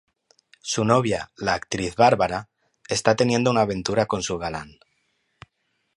Su novia, la actriz Bárbara, está teniendo una aventura con su galán.